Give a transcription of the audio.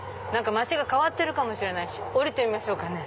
街が変わってるかもしれないし降りてみましょうかね。